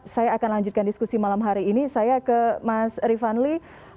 saya akan lanjutkan diskusi malam hari ini saya ke mas rifanli